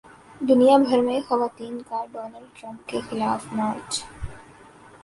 دنیا بھر میں خواتین کا ڈونلڈ ٹرمپ کے خلاف مارچ